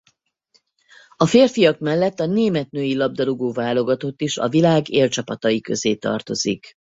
A férfiak mellett a német női labdarúgó-válogatott is a világ élcsapatai közé tartozik.